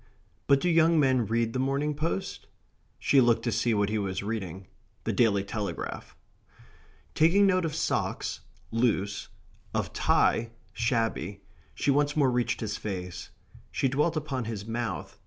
But do young men read the Morning Post? She looked to see what he was reading the Daily Telegraph. Taking note of socks (loose), of tie (shabby), she once more reached his face. She dwelt upon his mouth.